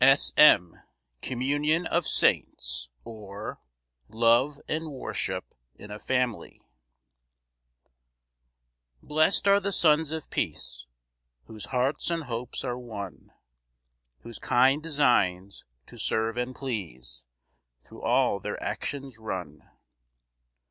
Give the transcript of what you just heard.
S. M. Communion of saints; or, Love and worship in a family. 1 Blest are the sons of peace, Whose hearts and hopes are one, Whose kind designs to serve and please Thro' all their actions run.